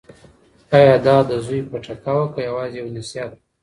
ایا دا د زوی پټکه وه که یوازې یو نصیحت و؟